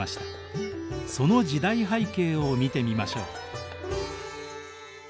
その時代背景を見てみましょう。